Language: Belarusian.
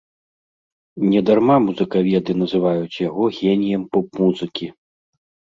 Не дарма музыкаведы называюць яго геніем поп-музыкі.